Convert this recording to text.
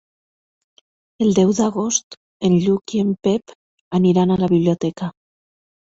El deu d'agost en Lluc i en Pep aniran a la biblioteca.